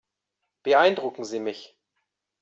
Beeindrucken Sie mich.